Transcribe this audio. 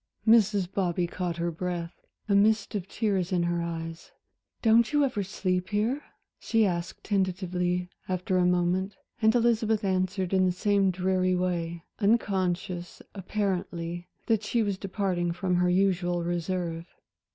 Mrs. Bobby caught her breath, a mist of tears in her eyes. "Don't you ever sleep here?" she asked tentatively after a moment, and Elizabeth answered in the same dreary way, unconscious, apparently, that she was departing from her usual reserve.